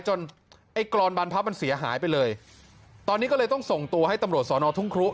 ไอ้กรอนบรรพับมันเสียหายไปเลยตอนนี้ก็เลยต้องส่งตัวให้ตำรวจสอนอทุ่งครุ